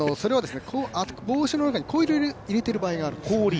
帽子の中に氷を入れている場合があるんです。